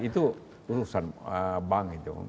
itu urusan bank itu